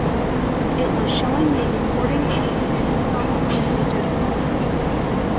It was showing the recording of the song in the studio.